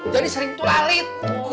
jadi sering tualit